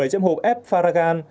bảy trăm linh hộp f faragan